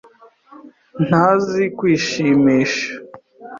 ntazi kwishimisha.